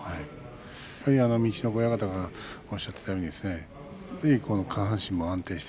陸奥親方がおっしゃっていたように下半身も安定して。